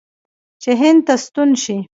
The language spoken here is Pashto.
چې هند ته ستون شي.